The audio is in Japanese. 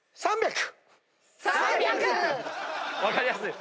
分かりやすい。